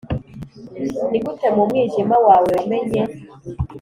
nigute, mu mwijima wawe, wamenye?